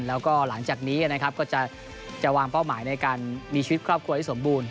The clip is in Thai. แล้วก็หลังจากนี้นะครับก็จะวางเป้าหมายในการมีชีวิตครอบครัวให้สมบูรณ